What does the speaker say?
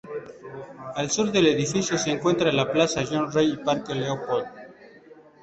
Al sur del edificio se encuentra la Plaza Jean Rey y Parque Leopold.